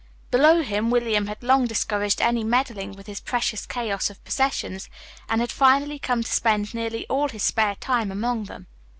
Below him, William had long discouraged any meddling with his precious chaos of possessions, and had finally come to spend nearly all his spare time among them.